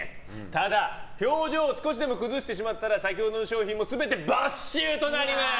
ただ、表情を少しでも崩してしまったら先ほどの賞品も全て没収となります！